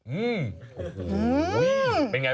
อืมาง